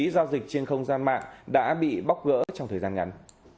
giao dịch trên không gian mạng đã bị bóc gỡ trong thời gian ngắn